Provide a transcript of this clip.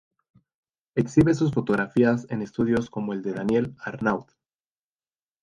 Exhibe sus fotografías en estudios como el de Danielle Arnaud.